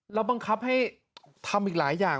แล้วบังคับให้ทำอีกหลายอย่าง